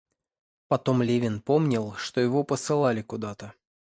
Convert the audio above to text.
Потом Левин помнил, что его посылали куда-то.